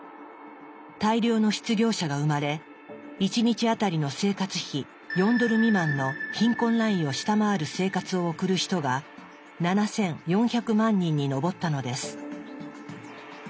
大量の失業者が生まれ１日当たりの生活費４ドル未満の貧困ラインを下回る生活を送る人が７４００万人に上ったのです。